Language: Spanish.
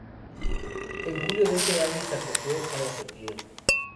En julio de ese año se acogió a retiro.